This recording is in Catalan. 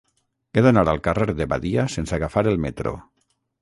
He d'anar al carrer de Badia sense agafar el metro.